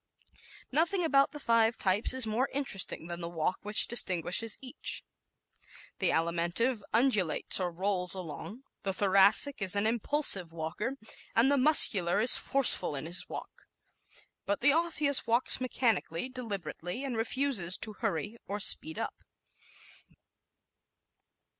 ¶ Nothing about the five types is more interesting than the walk which distinguishes each. The Alimentive undulates or rolls along; the Thoracic is an impulsive walker, and the Muscular is forceful in his walk. But the Osseous walks mechanically, deliberately, and refuses to hurry or speed up.